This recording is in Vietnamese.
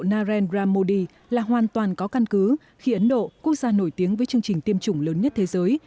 narendra modi là hoàn toàn có căn cứ khi ấn độ quốc gia nổi tiếng với chương trình tiêm chủng lớn nhất thế giới